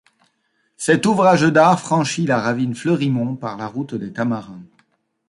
Cet ouvrage d'art franchit la ravine Fleurimont par la route des Tamarins.